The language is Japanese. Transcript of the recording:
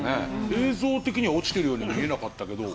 映像的には落ちてるように見えなかったけど。